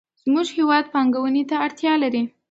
زموږ هېواد پانګونې ته اړتیا لري.